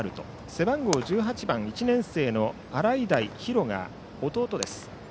背番号１８番１年生の洗平比呂が弟です。